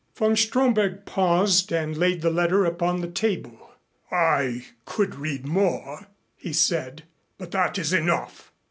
'" Von Stromberg paused and laid the letter upon the table. "I could read more," he said, "but that is enough.